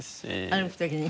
歩く時に？